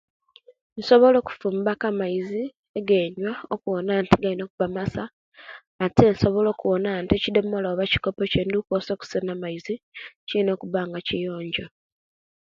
Nsowola okufumbaku amaizi egenywa okuwona nti galina okuba masa, ate nsobola okuwona nti ekidomolo aba ekikopo ecenkozesa okusena amaizi kiina okuba nga kiyonjo.